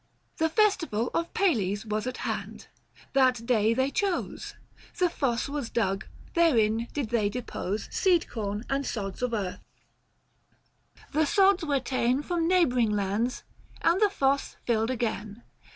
The festival Of Pales was at hand : that day they choseo The fosse was dug, therein did they depose 950 Seed corn, and sods of earth ;— the sods were ta'en From neighbouring lands, and the fosse filled again.